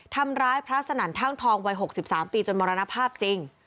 ทำร้ายพระสนั่นท่างทองวัย๖๓ปีจนมรณภาพจริง